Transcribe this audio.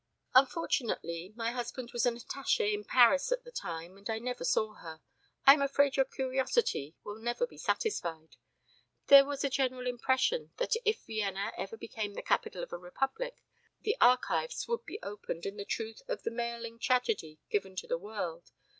"Unfortunately my husband was an attaché in Paris at the time, and I never saw her. I am afraid your curiosity will never be satisfied. There was a general impression that if Vienna ever became the capital of a Republic the archives would be opened and the truth of the Meyerling tragedy given to the world.